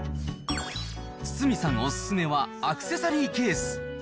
堤さんお勧めは、アクセサリーケース。